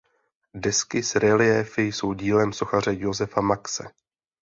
Desky s reliéfy jsou dílem sochaře Josefa Maxe.